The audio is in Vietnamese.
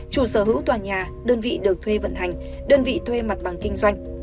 chủ sở hữu tòa nhà đơn vị được thuê vận hành đơn vị thuê mặt bằng kinh doanh